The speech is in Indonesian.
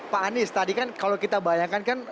pak anies tadi kan kalau kita bayangkan kan